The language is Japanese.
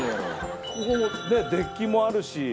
ここねっデッキもあるし。